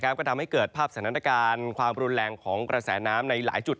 ก็ทำให้เกิดภาพสถานการณ์ความรุนแรงของกระแสน้ำในหลายจุด